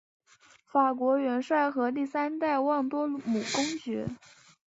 法国元帅和第三代旺多姆公爵。